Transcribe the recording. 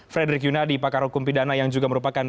frederick yunadi pakar hukum pidana yang juga merupakan